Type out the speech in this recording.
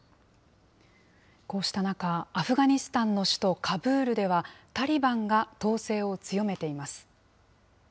こうした中、アフガニスタンの首都カブールでは、タリバンが統制を強めています。